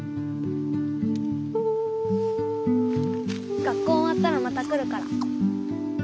学校おわったらまた来るから。